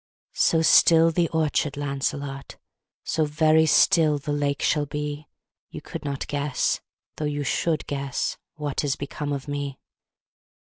So still the orchard, Lancelot, So very still the lake shall be, You could not guess though you should guess What is become of me.